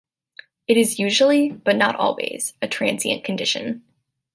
It is usually, but not always, a transient condition.